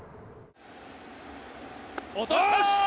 落とした。